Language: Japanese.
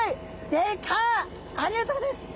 ありがとうございます。